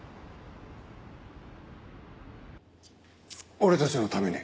俺たちのために。